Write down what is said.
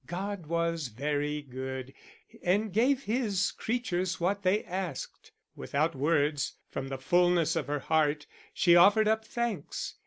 God was very good, and gave His creatures what they asked; without words, from the fulness of her heart, she offered up thanks.